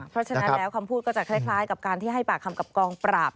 เพราะฉะนั้นแล้วคำพูดก็จะคล้ายกับการที่ให้ปากคำกับกองปราบ